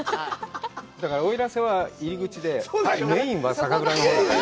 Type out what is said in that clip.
だから、奥入瀬は入り口でメインは酒蔵のほうに。